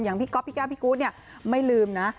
อย่างพี่ก๊อบพี่แกรมพี่กู้ตเนี่ยไม่ลืมนะ